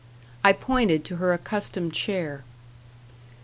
I pointed to her accustomed chair.